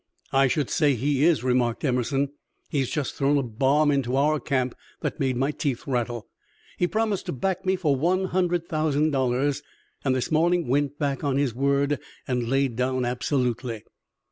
"I should say he is," remarked Emerson. "He has just thrown a bomb into our camp that makes my teeth rattle. He promised to back me for one hundred thousand dollars, and this morning went back on his word and lay down, absolutely."